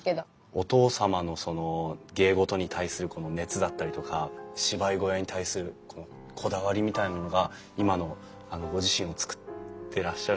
お父様のその芸事に対するこの熱だったりとか芝居小屋に対するこだわりみたいなものが今のご自身を作ってらっしゃる。